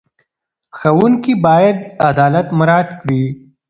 ښوونکي باید عدالت مراعت کړي.